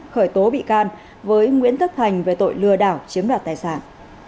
khởi tố bị can với nguyễn tất thành về tội lừa đảo chiếm đoạt tài sản